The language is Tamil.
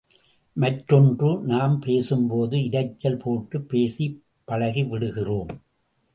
மற்றொன்று நாம் பேசும்போது இரைச்சல் போட்டுப் பேசிப் பழகிவிடுகிறோம்.